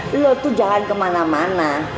lo tuh jalan kemana mana